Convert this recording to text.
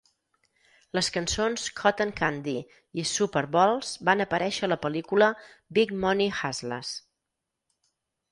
Les cançons "Cotton Candy" i "Super Balls" van aparèixer a la pel·lícula "Big Money Hustlas".